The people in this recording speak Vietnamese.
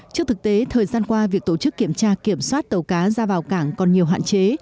trước thực tế thời gian qua việc tổ chức kiểm tra kiểm soát tàu cá ra vào cảng còn nhiều hạn chế